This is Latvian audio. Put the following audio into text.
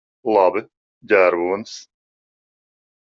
Labi. Ģērbonis.